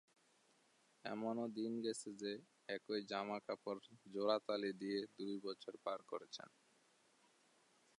এমনও দিন গেছে যে, একই জামা-কাপড় জোড়া তালি দিয়ে দুই বছর পার করেছেন।